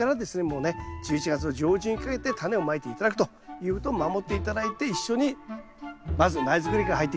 もうね１１月の上旬にかけてタネをまいて頂くということを守って頂いて一緒にまず苗づくりから入っていきたいと思います。